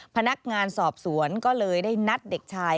พนักงานสอบสวนก็เลยได้นัดเด็กชาย